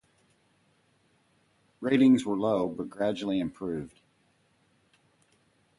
Ratings were low initially but gradually improved.